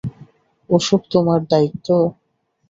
ওসব তোমার দায়িত্ব!